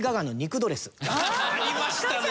ありましたね！